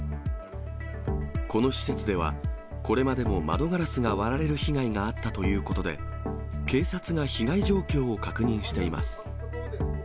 この施設では、これまでも窓ガラスが割られる被害が遭ったということで、警察が被害状況を確認しています。